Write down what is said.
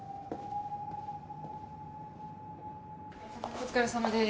お疲れさまです。